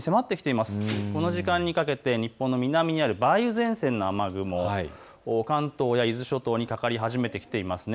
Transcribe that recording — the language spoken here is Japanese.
この時間にかけて日本の南にある梅雨前線の雨雲、関東や伊豆諸島にかかり始めてきています。